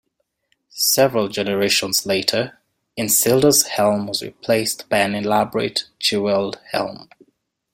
Several generations later, Isildur's helm was replaced by an elaborate jewelled helm.